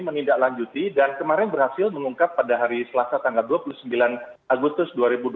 menindaklanjuti dan kemarin berhasil mengungkap pada hari selasa tanggal dua puluh sembilan agustus dua ribu dua puluh